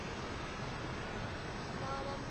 na wanamgambo wa Maumau karibu na Mlima Kenya